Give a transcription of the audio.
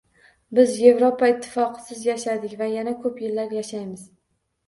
Biz Yevropa Ittifoqisiz yashadik va yana ko‘p yillar yashaymiz